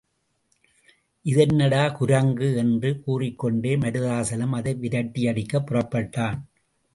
இதென்னடா, குரங்கு! என்று கூறிக்கொண்டே மருதாசலம் அதை விரட்டியடிக்கப் புறப்பட்டான்.